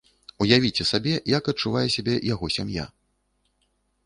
Уявіце сабе, як адчувае сябе яго сям'я.